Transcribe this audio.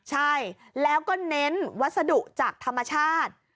ใช่แล้วก็เน้นวัสดุจากธรรมชาติ